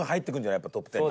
やっぱ、トップ１０に。